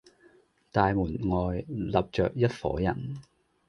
大門外立着一夥人，